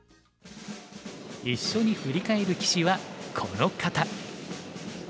一緒に振り返る棋士はこの方。